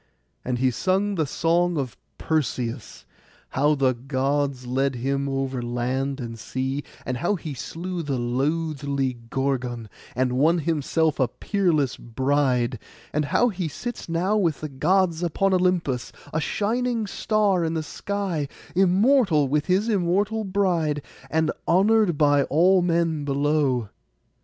And he sung the song of Perseus, how the Gods led him over land and sea, and how he slew the loathly Gorgon, and won himself a peerless bride; and how he sits now with the Gods upon Olympus, a shining star in the sky, immortal with his immortal bride, and honoured by all men below.